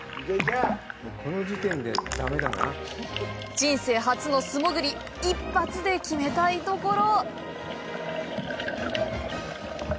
人生初の素潜り、一発で決めたいところ！